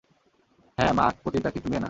হ্যাঁ, মা পতিতা কিন্তু মেয়ে না।